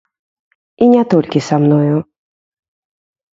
І не толькі са мною.